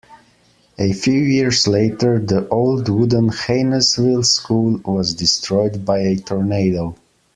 A few years later, the old wooden Hainesville School was destroyed by a tornado.